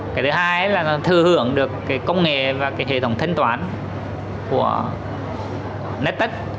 cái thứ hai là nó thư hưởng được cái công nghệ và cái hệ thống thanh toán của netflix